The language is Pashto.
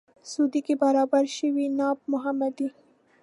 سعودي کې برابر شوی ناب محمدي.